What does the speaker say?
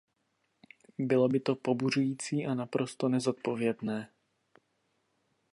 Bylo by to pobuřující a naprosto nezodpovědné.